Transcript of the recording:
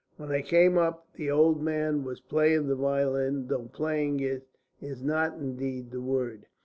When I came up the old man was playing the violin, though playing is not indeed the word.